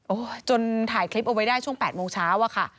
โอ้โหจนถ่ายคลิปเอาไว้ได้ช่วง๘โมงเช้าอะค่ะ